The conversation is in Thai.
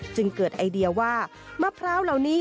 จึงเกิดไอเดียว่ามะพร้าวเหล่านี้